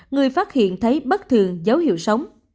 người phát hiện thấy bất thường dấu hiệu sống